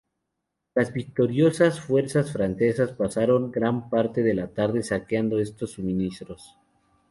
Las victoriosas fuerzas francesas pasaron gran parte de la tarde saqueando estos suministros.